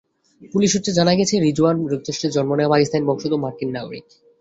Police সূত্রে জানা গেছে, রিজওয়ান যুক্তরাষ্ট্রে জন্ম নেওয়া পাকিস্তানি বংশোদ্ভূত মার্কিন নাগরিক।